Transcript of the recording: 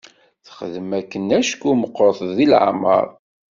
Texdem akken acku meqqret deg leɛmer.